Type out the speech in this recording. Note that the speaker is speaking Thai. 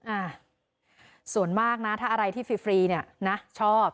อ่าส่วนมากนะถ้าอะไรที่ฟรีฟรีเนี่ยนะชอบ